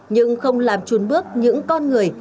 nhưng không làm chun bước những con người